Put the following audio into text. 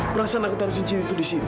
perasaan aku taruh sinci itu disini